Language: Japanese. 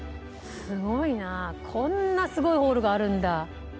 すごいなこんなすごいホールがあるんだ。